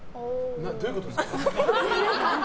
どういうことですか？